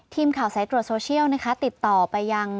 ทีมข่าวสายตรวจโซเชียลนะคะติดต่อไปยัง